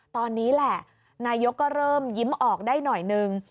ตอนนี้แหละนายกก็เริ่มยิ้มออกได้หน่อยนึง